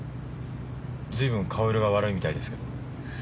随分顔色が悪いみたいですけど。